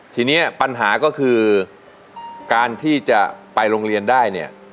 ทีนี้ปัญหาก็คือการที่จะไปโรงเรียนได้เนี่ย